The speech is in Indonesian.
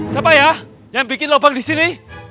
sampai ya yang bikin lobak di sini